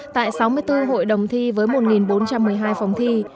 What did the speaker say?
tại sáu mươi bốn hội đồng thi với một bốn trăm một mươi hai phòng thi